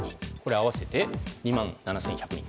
会わせて２万７１００人。